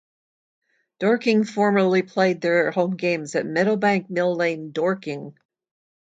Dorking formerly played their home games at Meadowbank, Mill Lane, Dorking.